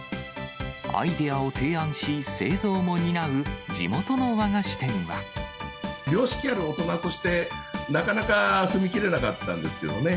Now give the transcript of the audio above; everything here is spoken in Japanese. アイデアを提案し、良識ある大人として、なかなか踏み切れなかったんですけどね。